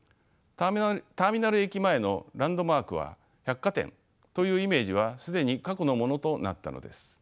ターミナル駅前のランドマークは百貨店というイメージは既に過去のものとなったのです。